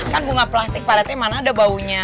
kan bunga plastik pak rente mana ada baunya